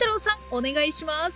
お願いします！